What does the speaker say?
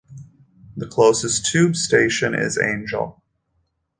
The closest tube station is Angel.